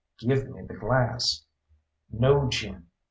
"Give me the glass." "No, Jim.